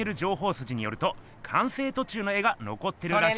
すじによると完成とちゅうの絵がのこってるらしく。